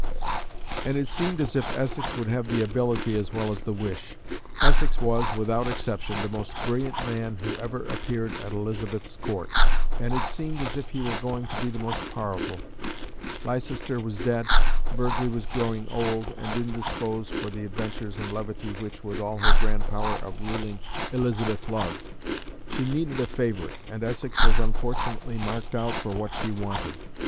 And it seemed as if Essex would have the ability as well as the wish. Essex was, without exception, the most brilliant man who ever appeared at Elizabeth's Court, and it seemed as if he were going to be the most powerful. Leicester was dead. Burghley was growing old, and indisposed for the adventures and levity which, with all her grand power of ruling, Elizabeth loved. She needed a favourite, and Essex was unfortunately marked out for what she wanted.